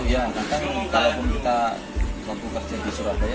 iya karena kalau pun kita untuk kerja di surabaya